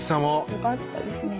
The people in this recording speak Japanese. よかったですね。